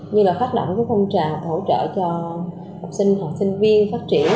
như là khách đoạn của công trà hỗ trợ cho học sinh học sinh viên phát triển